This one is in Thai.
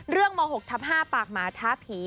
เรื่องม๖๕ปากหมาท้าผี